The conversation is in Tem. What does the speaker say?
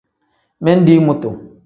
Mindi mutu.